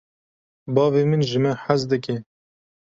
Bavê min ji me hez dike.